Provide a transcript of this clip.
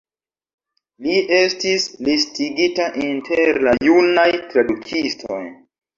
Li estis listigita inter la junaj tradukistoj.